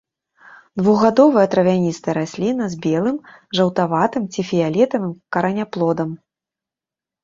Двухгадовая травяністая расліна з белым, жаўтаватым ці фіялетавым караняплодам.